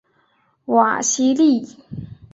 瓦西利。